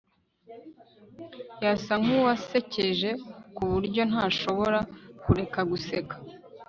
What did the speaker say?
Yasa nkuwasekeje kuburyo ntashobora kureka guseka